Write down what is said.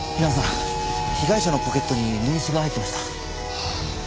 被害者のポケットに名刺が入ってました。